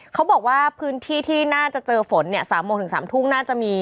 เขาบอกว่าพื้นที่ที่น่าจะเจอฝนเนี่ย๓โมงถึง๓ทุ่มน่าจะมี